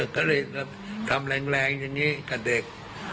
ก็เลยทำแรงอย่างนี้กับเด็ก